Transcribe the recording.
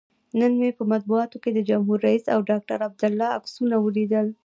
نن مې په مطبوعاتو کې د جمهور رئیس او ډاکتر عبدالله عکسونه ولیدل.